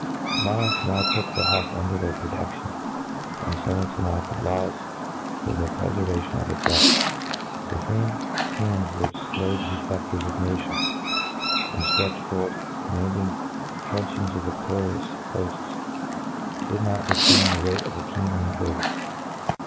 Monarchs now took the hawk under their pro te^ion, and fenates enufted laws for (he prefer vation of its life. The fame hands which fwayed the fceptres of nations, and ftretched forth com iiianding truncheons to viftoriouS hofts, did not difdain the weight of the keen eyed bird.